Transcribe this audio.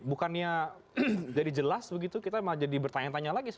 bukannya jadi jelas begitu kita mau jadi bertanya tanya lagi